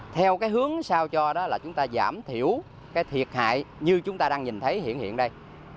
theo cái hướng sao cho đó là chúng ta giảm thiểu cái thiệt hại như chúng ta đang nhìn thấy hiện hiện đây